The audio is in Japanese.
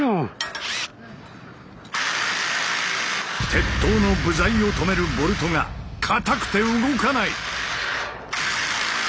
鉄塔の部材をとめるボルトが固くて動かない。